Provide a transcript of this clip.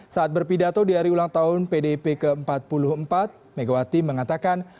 saat berpidato di hari ulang tahun pdp ke empat puluh empat megawati mengatakan